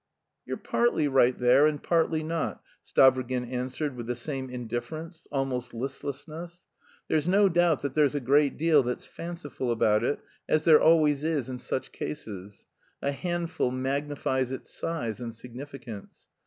"You're partly right there and partly not," Stavrogin answered with the same indifference, almost listlessness. "There's no doubt that there's a great deal that's fanciful about it, as there always is in such cases: a handful magnifies its size and significance.